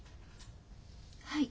はい？